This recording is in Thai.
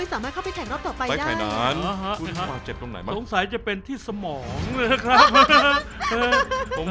สงสัยจะเป็นที่สมอง